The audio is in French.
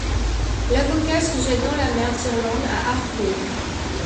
L'Avoca se jette dans la mer d'Irlande à Arklow.